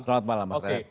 selamat malam mas red